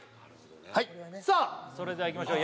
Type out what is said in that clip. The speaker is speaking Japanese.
はいさあそれではいきましょう